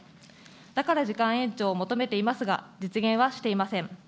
だから時間延長を求めていますが、実現はしていません。